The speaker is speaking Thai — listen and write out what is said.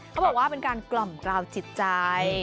เขาบอกว่าเป็นการกล่อมกราวจิตใจ